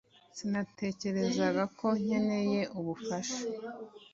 Sinatekerezaga ko nkeneye ubufasha